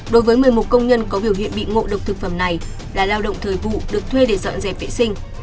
đối với một mươi một công nhân có biểu hiện bị ngộ độc thực phẩm này là lao động thời vụ được thuê để dọn dẹp vệ sinh